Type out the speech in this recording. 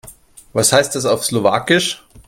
Was heißt das auf Slowakisch?